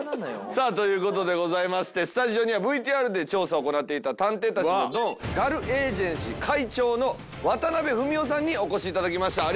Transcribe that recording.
さあということでございましてスタジオにはＶＴＲで調査を行っていた探偵たちのドンガルエージェンシー会長の渡邉文男さんにお越しいただきました。